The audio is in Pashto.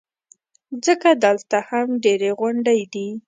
ځکه دلته هم ډېرې غونډۍ دي.